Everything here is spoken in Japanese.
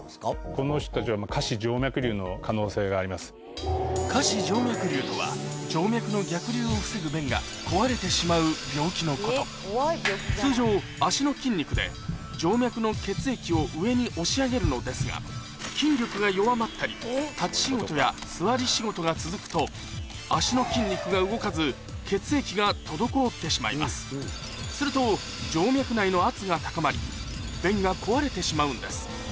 この人たちは。とは静脈の逆流を防ぐ弁が壊れてしまう病気のこと通常足の筋肉で静脈の血液を上に押し上げるのですがが続くと足の筋肉が動かず血液が滞ってしまいますすると静脈内の圧が高まり弁が壊れてしまうんです